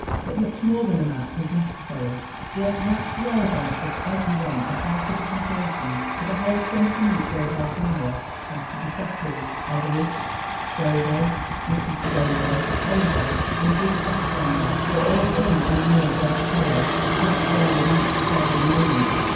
But much more than a map was necessary. The exact whereabouts of every one of half a dozen persons for the whole twenty minutes or half hour had to be set tled. Etheridge, Scoville, Mrs. Scoville, Oliver and Judge Ostrander were all in or near Dark Hollow. Just where was each at every moment?